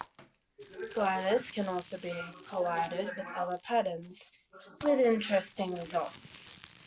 Gliders can also be collided with other patterns with interesting results.